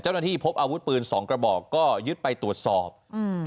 พบอาวุธปืนสองกระบอกก็ยึดไปตรวจสอบอืม